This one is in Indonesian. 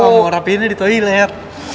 mau rapihinnya di toilet